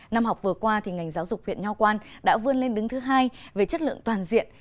năm học vừa qua thì ngành giáo dục huyện nho quang đã vươn lên đứng thứ hai về chất lượng toàn diện